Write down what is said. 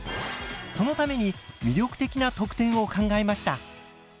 そのために魅力的な特典を考えました。